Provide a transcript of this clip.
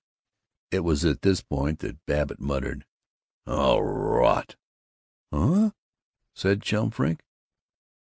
It was at this point that Babbitt muttered, "Oh, rot!" "Huh?" said Chum Frink.